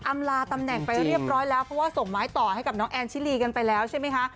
อำลาตำแหน่งไปเรียบร้อยแล้วเพราะว่าส่งไม้ต่อให้กับน้องแอนชิลีกันไปแล้วใช่ไหมคะ